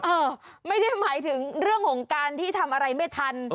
เออไม่ได้หมายถึงเรื่องของการที่ทำอะไรไม่ทัน